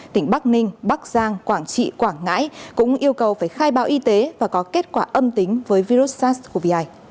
tỉnh bắc ninh bắc giang quảng trị quảng ngãi cũng yêu cầu phải khai báo y tế và có kết quả âm tính với virus sars cov hai